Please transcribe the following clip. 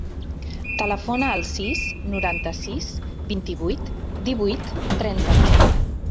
Telefona al sis, noranta-sis, vint-i-vuit, divuit, trenta-nou.